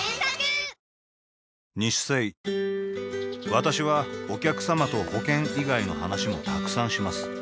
私はお客様と保険以外の話もたくさんします